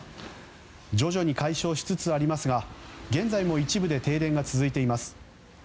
徐々に解消しつつありますが現在も一部で停電が続いています。